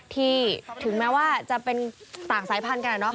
ถึงแม้ว่าจะเป็นต่างสายพันธุ์กัน